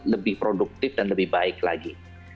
lebih produktif dan lebih baik lagi